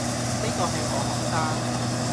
呢個係我學生